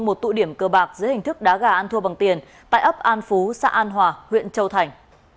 một tụ điểm cờ bạc giữa hình thức đá gà ăn thua bằng tiền tại ấp an phú xã an hòa huyện châu thành